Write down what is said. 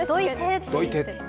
どいて！